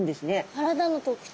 体の特徴。